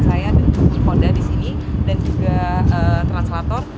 saya di kumpul konda disini dan juga translator